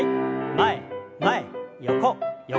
前前横横。